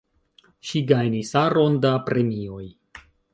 Ŝi gajnis aron da premioj.